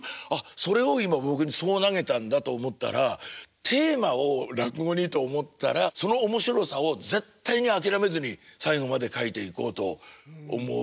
それを今僕にそう投げたんだと思ったらテーマを落語にと思ったらその面白さを絶対に諦めずに最後まで書いていこうと思う。